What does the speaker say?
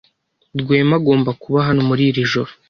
Rwema agomba kuba hano muri iri joro.